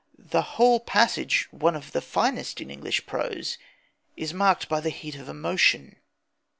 The whole passage, one of the finest in English prose, is marked by the heat of emotion.